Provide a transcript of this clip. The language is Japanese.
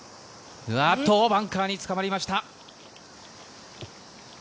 バンカーにつかまりました。